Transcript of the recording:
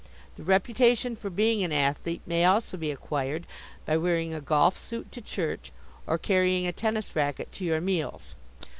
The reputation for being an athlete may also be acquired by wearing a golf suit to church, or carrying a tennis racket to your meals.